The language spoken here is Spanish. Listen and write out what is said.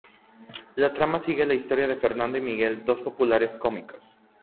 La trama sigue la historia de Fernando y Miguel, dos populares cómicos.